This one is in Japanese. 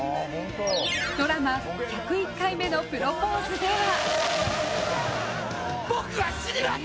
ドラマ「１０１回目のプロポーズ」では。